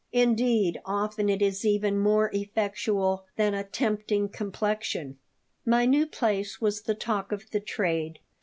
Indeed, often it is even more effectual than a tempting complexion My new place was the talk of the trade.